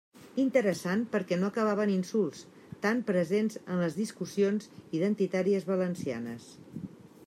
Interessant perquè no acabava en insults, tan presents en les discussions identitàries valencianes.